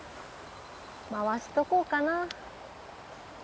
回しとこうかな。